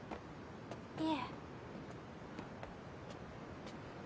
いえ。